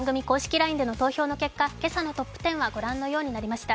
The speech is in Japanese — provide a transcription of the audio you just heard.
ＬＩＮＥでの投票の結果、今朝のトップ１０はこのようになりました。